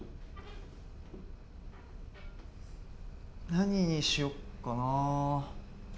何にしよっかな。